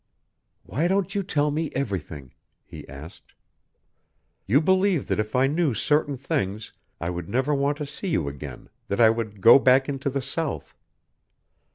"Why don't you tell me everything?" he asked. "You believe that if I knew certain things I would never want to see you again, that I would go back into the South.